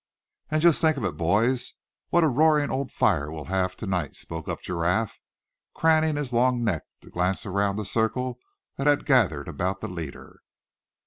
"And just think of it, boys, what a roaring old fire we'll have to night," spoke up Giraffe, craning his long neck to glance around the circle that had gathered about the leader.